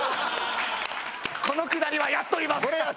このくだりはやっております。